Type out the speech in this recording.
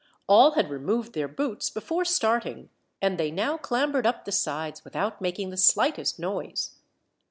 All had removed their boots before starting, and they now clambered up the sides without making the slightest noise.